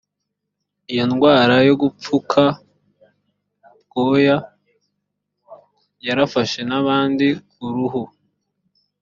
iyo ndwara yo gupfuka ubwoya yarafashe n ahandi ku ruhu